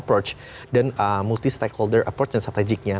approach multi stakeholder dan strategiknya